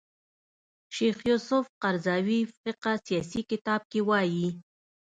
شیخ یوسف قرضاوي فقه سیاسي کتاب کې وايي